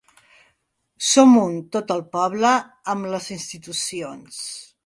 Som un, tot el poble amb les institucions.